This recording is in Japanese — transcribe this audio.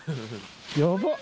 やばっ！